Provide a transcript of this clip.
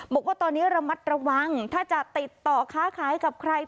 บอกว่าตอนนี้ระมัดระวังถ้าจะติดต่อค้าขายกับใคร